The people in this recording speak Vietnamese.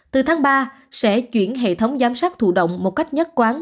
từ tháng ba sẽ chuyển hệ thống giám sát thủ động một cách nhất quán